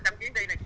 trong chuyến đi này